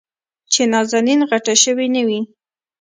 چې نازنين غټه شوې نه وي.